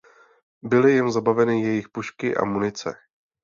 Byly jim zabaveny jejich pušky a munice.